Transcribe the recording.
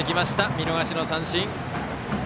見逃し三振。